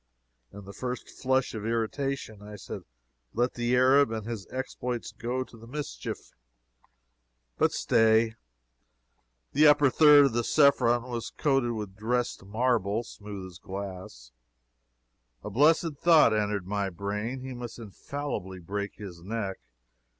In the first flush of irritation, I said let the Arab and his exploits go to the mischief. But stay. The upper third of Cephron was coated with dressed marble, smooth as glass. A blessed thought entered my brain. He must infallibly break his neck.